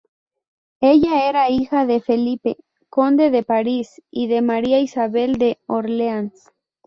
Ella era hija de Felipe, conde de París y de María Isabel de Orleans.